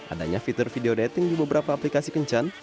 adanya fitur video dating di beberapa aplikasi kencan